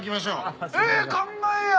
ええ考えや！